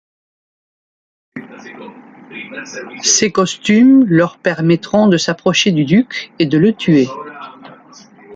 Ces costumes leur permettront de s'approcher du duc et de le tuer.